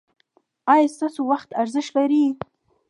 ایا ستاسو وخت ارزښت لري؟